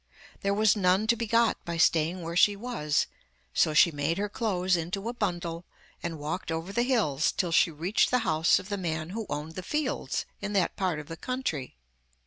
There was none to be got by staying where she was, so she made her clothes into a bundle, and walked over the hills till she reached the house of the man who owned the fields in that part of the country.